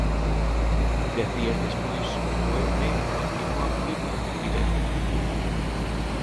Dez días despois, o Eume continúa a fluír con turbidez.